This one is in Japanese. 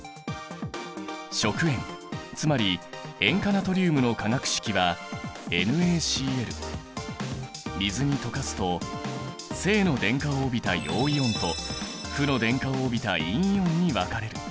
食塩つまり塩化ナトリウムの化学式は水に溶かすと正の電荷を帯びた陽イオンと負の電荷を帯びた陰イオンに分かれる。